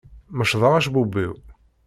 Mecḍeɣ acebbub-iw.